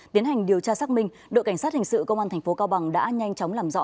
tiến hành điều tra xác minh đội cảnh sát hình sự công an tp cao bằng đã nhanh chóng làm rõ